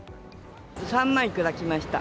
３万いくらきました。